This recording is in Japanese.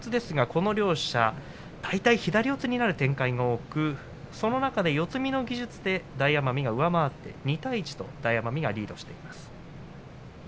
この両者大体、左四つになる展開が多くその中で四つ身の技術で大奄美が上回って２対１と大奄美が対戦成績リードしています。